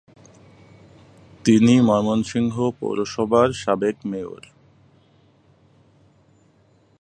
তিনি ময়মনসিংহ পৌরসভার সাবেক মেয়র।